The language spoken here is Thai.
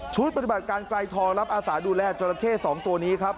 ปฏิบัติการไกลทองรับอาสาดูแลจราเข้๒ตัวนี้ครับ